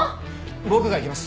僕が行きます。